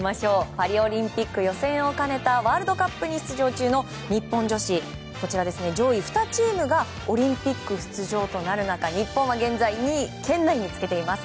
パリオリンピック予選を兼ねたワールドカップに出場中の日本女子こちら上位２チームがオリンピック出場となる中日本は現在２位圏内につけています。